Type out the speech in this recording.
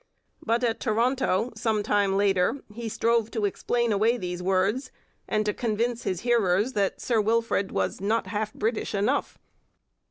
But at Toronto, some time later, he strove to explain away these words and to convince his hearers that Sir Wilfrid was 'not half British enough.'